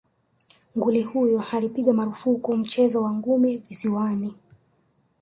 Nguri huyo alipiga marufuku mchezo wa ngumi visiwani